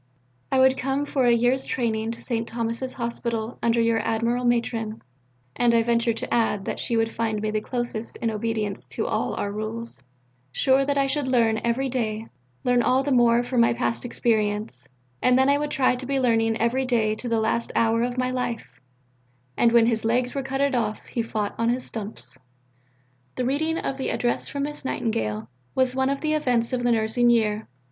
I would come for a year's training to St. Thomas's Hospital under your admirable Matron (and I venture to add that she would find me the closest in obedience to all our rules), sure that I should learn every day, learn all the more for my past experience, and then I would try to be learning every day to the last hour of my life 'And when his legs were cuttit off, He fought upon his stumps.'" The reading of the "Address from Miss Nightingale" was one of the events of the nursing year.